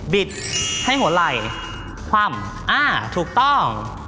บิดให้หัวไหล่คว่ำอ่าถูกต้อง